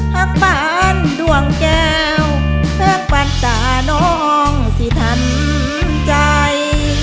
หักปานดวงแก้วหักปานตาน้องสิทันใจ